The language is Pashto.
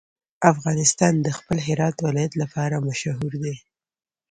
افغانستان د خپل هرات ولایت لپاره مشهور دی.